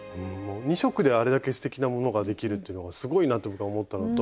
２色であれだけすてきなものができるっていうのがすごいなって僕は思ったのと。